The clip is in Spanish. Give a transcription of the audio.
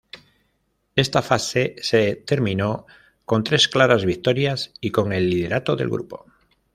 Esta fase se terminó con tres claras victorias y con el liderato del grupo.